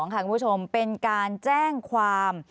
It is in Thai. คุณผู้ชมเป็นการแจ้งความ